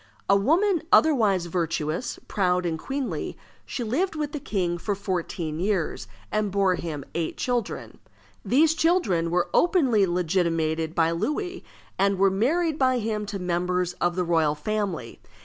A woman otherwise virtuous, proud, and queenly, she lived with the king for fourteen years, and bore him eight children. These children were openly legitimated by Louis, and were married by him to members of the royal family.